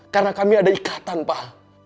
karena kami ada ikatan pak